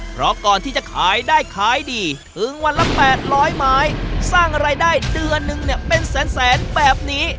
เพราะก่อนที่จะขายได้ขายดีถึงวันละ๘๐๐ไม้สร้างรายได้เดือนนึงเนี่ยเป็นแสนแบบนี้